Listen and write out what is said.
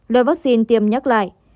loại vắc xin tiêm nhắc lại